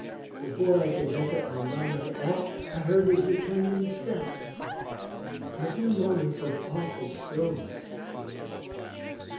Before I could make up my mind to act, I heard his returning step. A few moments of awful stillness succeeded.